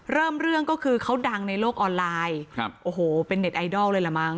เริ่มเรื่องก็คือเขาดังในโลกออนไลน์ครับโอ้โหเป็นเน็ตไอดอลเลยละมั